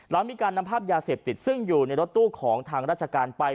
แล้วมีการนำภาพยาเสพติดซึ่งอยู่ในรถตู้ของทางราชการไป